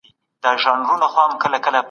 بايد د مطالعې د ودې لپاره پروګرامونه جوړ سي.